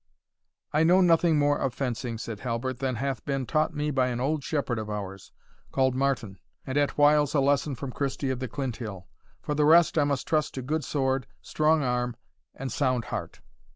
"I know nothing more of fencing," said Halbert, "than hath been taught me by an old shepherd of ours, called Martin, and at whiles a lesson from Christie of the Clinthill for the rest, I must trust to good sword, strong arm, and sound heart."